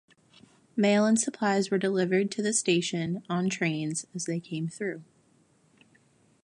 Mail and supplies were delivered to the station on trains as they came through.